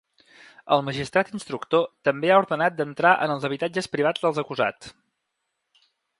El magistrat instructor també ha ordenat d’entrar en els habitatges privats dels acusats.